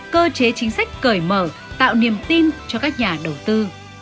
cơ chế chính sách cởi mở tạo niềm tin cho các nhà đầu tư